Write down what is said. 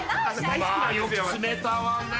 まあよく詰めたわね。